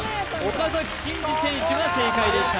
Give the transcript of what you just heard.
岡崎慎司選手が正解でした・